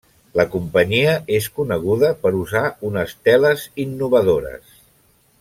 La companyia és coneguda per usar unes teles innovadores.